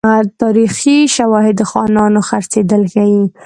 تاریخي شواهد د خانانو خرڅېدل ښيي.